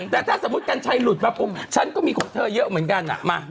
แต่ถ้าสมมุติกัญชัยหลุดมาผมฉันก็มีคนเธอเยอะเหมือนกันอ่ะมา